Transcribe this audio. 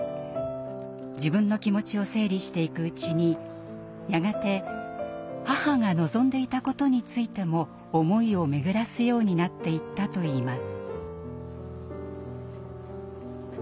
自分の気持ちを整理していくうちにやがて母が望んでいたことについても思いを巡らすようになっていったといいます。